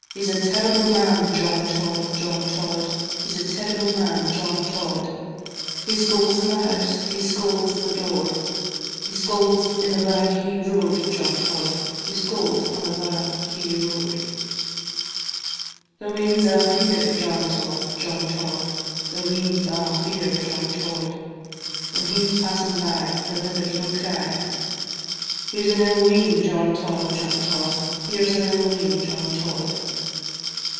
He 's a terrible man, John Tod, John Tod, He 's a terrible man, John Tod; He scolds in the house, He scolds at the door, He scolds on the vera hie road, John Tod, He scolds on the vera hie road. The weans a' fear John Tod, John Tod, The weans a' fear John Tod; When he 's passing by, The mithers will cry, Here 's an ill wean, John Tod, John Tod, Here 's an ill wean, John Tod.